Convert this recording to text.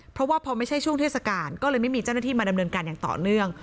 เพราะว่าพอไม่ใช่ช่วงเทศกาลก็เลยไม่มีเจ้าหน้าที่มาดำเนินการอย่างต่อเนื่อง